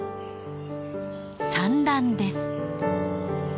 産卵です。